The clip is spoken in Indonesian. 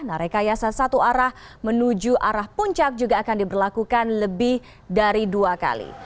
nah rekayasa satu arah menuju arah puncak juga akan diberlakukan lebih dari dua kali